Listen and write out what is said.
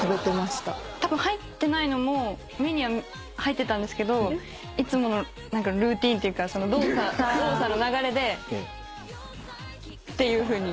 たぶん入ってないのも目には入ってたんですけどいつものルーティンっていうか動作の流れで。っていうふうに。